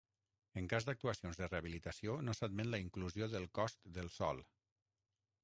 En cas d'actuacions de rehabilitació, no s'admet la inclusió del cost del sòl.